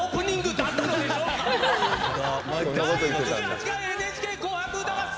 「第６８回ＮＨＫ紅白歌合戦」